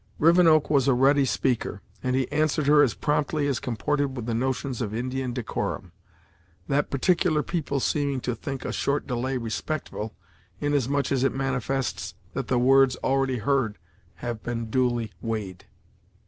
Rivenoak was a ready speaker, and he answered as promptly as comported with the notions of Indian decorum; that peculiar people seeming to think a short delay respectful, inasmuch as it manifests that the words already heard have been duly weighed.